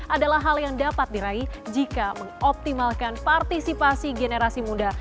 adalah hal yang dapat diraih jika mengoptimalkan partisipasi generasi muda